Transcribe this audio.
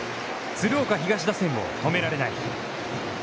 鶴岡東打線を止められない。